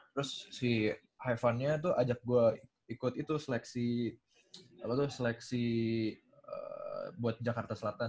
terus si hai fan nya tuh ajak gua ikut itu seleksi buat jakarta selatan